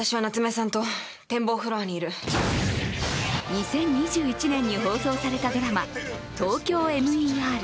２０２１年に放送されたドラマ「ＴＯＫＹＯＭＥＲ